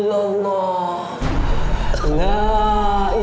aku akan menghimpani